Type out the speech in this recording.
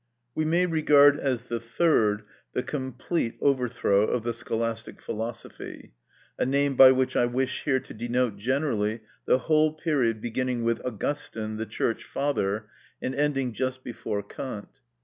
We may regard as the third the complete overthrow of the Scholastic philosophy, a name by which I wish here to denote generally the whole period beginning with Augustine, the Church Father, and ending just before Kant.